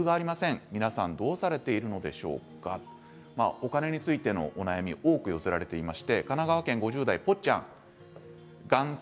お金についてのお悩み多く寄せられています。